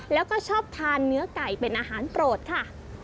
แล้วก็ชอบทานเนื้อไก่เป็นอาหารโปรดค่ะ